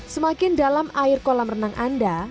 semakin dalam air kolam renang anda